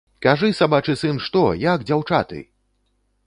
Кажы, сабачы сын, што, як дзяўчаты?!.